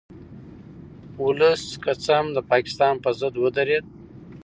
ولس که څه هم د پاکستان په ضد ودرید